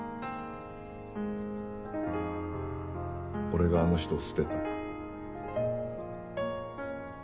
俺があの人を捨てた。